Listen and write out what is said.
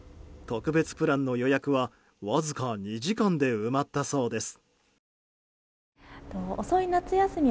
特別プランの予約はわずか２時間で埋まったそうです。